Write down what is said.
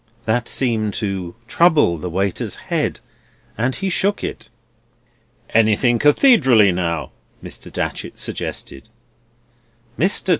That seemed to trouble the waiter's head, and he shook it. "Anything Cathedraly, now," Mr. Datchery suggested. "Mr.